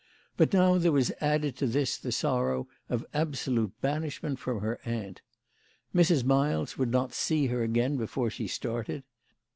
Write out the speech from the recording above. But now there was added to this the sorrow of absolute banishment from her aunt. Mrs. Miles would not see her again before she started.